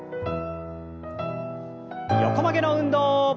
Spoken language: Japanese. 横曲げの運動。